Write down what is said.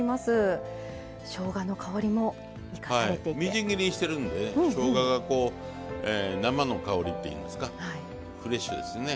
みじん切りにしてるんでしょうががこう生の香りっていうんですかフレッシュですね。